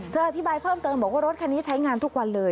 อธิบายเพิ่มเติมบอกว่ารถคันนี้ใช้งานทุกวันเลย